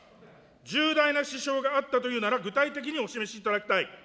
重大な支障があったというなら具体的にお示しいただきたい。